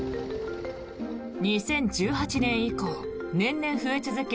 ２０１８年以降、年々、増え続け